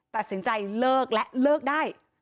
ตัดสินใจเลิกและเลิกได้